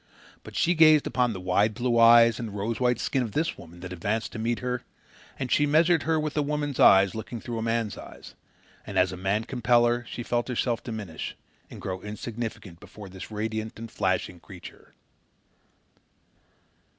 But she gazed upon the wide blue eyes and rose white skin of this woman that advanced to meet her, and she measured her with woman's eyes looking through man's eyes; and as a man compeller she felt herself diminish and grow insignificant before this radiant and flashing creature.